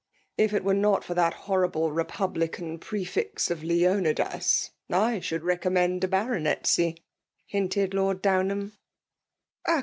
'* If it were not for that horrible republican prefix of ^ Leonidas/ / should recommend a Baronetcy," hinted Lord Downham.